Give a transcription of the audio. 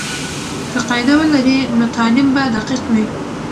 که قاعده ولري، نو تعلیم به دقیق وي.